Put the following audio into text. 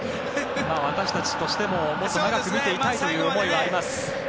私たちとしてももっと長く見ていたい思いはあります。